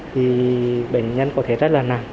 thì bệnh nhân có thể rất là nặng